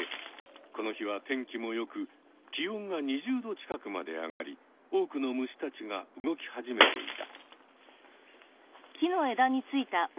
この日は天気もよく気温が２０℃近くまで上がり多くの虫たちが動き始めていた。